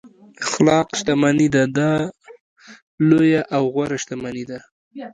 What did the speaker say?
اخلاق شتمني ده دا لویه او غوره شتمني ده.